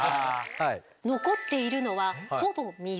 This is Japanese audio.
残っているのはほぼ水。